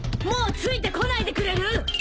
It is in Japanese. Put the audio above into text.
もうついてこないでくれる！？